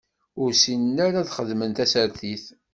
Ur ssinen ara ad xedmen tasertit.